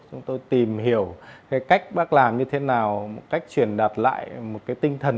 chúng tôi tìm hiểu cái cách bác làm như thế nào cách truyền đặt lại một cái tinh thần